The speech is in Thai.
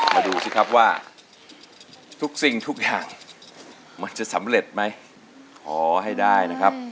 มาดูสิครับว่าทุกสิ่งทุกอย่างมันจะสำเร็จไหมขอให้ได้นะครับ